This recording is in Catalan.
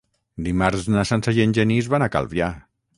Dimarts na Sança i en Genís van a Calvià.